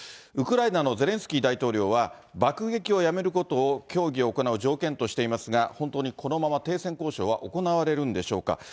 ウクライナのゼレンスキー大統領は、爆撃をやめることを協議を行う条件としていますが、本当にこのまま停戦交渉は行われるんでしょうか。